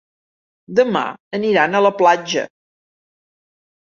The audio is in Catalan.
Demà aniran a la platja.